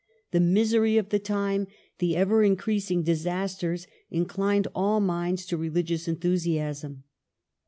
The misery of the time, the ever increasing disasters, inclined all minds to religious enthusiasm.